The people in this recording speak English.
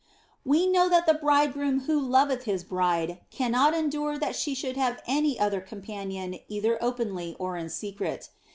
We know that the bridegroom who loveth his bride cannot endure that she should have any other companion either openly or in secret.